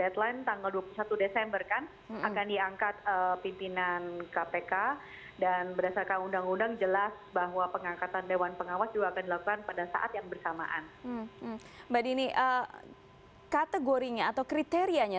terima kasih atas waktunya